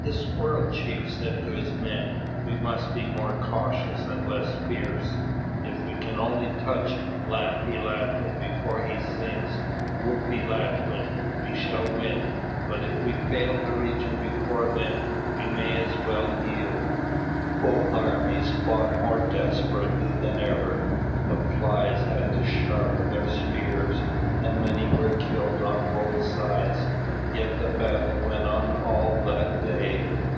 The Squirrel chief said to his men: "We must be more cautious and less fierce. If we can only touch Laffy Latwin before he sings 'Woffy Latwin,' we shall win; but if we fail to reach him before then, we may as well yield." Both armies fought more desperately than ever. The Flies had to sharpen their spears, and many were killed on both sides; yet the battle went on all that day.